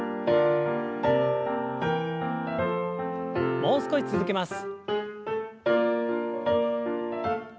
もう少し続けます。